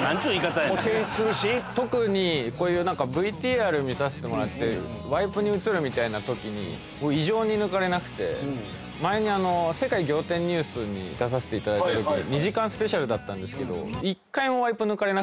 もう成立するし特にこういうＶＴＲ見させてもらってワイプに映るみたいなときに異常に抜かれなくて前に「世界仰天ニュース」に出させていただいたとき俺も５年前までね